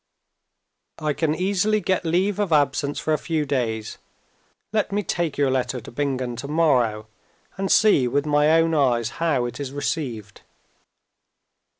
I can easily get leave of absence for a few days. Let me take your letter to Bingen tomorrow, and see with my own eyes how it is received."